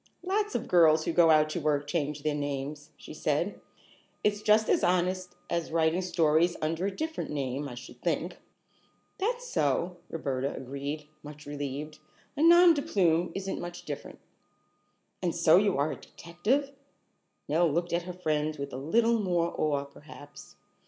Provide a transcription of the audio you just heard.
"Lots of girls who go out to work change their names," she said. "It's just as honest as writing stories under a different name, I should think." "That's so," Roberta agreed, much relieved. "A nom de plume isn't much different." "And so you are a detective?" Nell looked at her friend with a little more awe, perhaps.